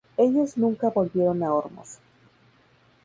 Ellos nunca volvieron a Ormuz.